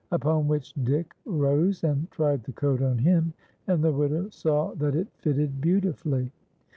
Upon which Dick rose and tried the coat on him, and the widow saw that it fitted beautifully.